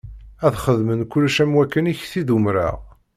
Ad xedmen kullec am wakken i k-t-id-umṛeɣ.